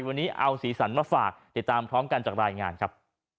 วันนี้เอาสีสันมาฝากติดตามพร้อมกันจากรายงานครับ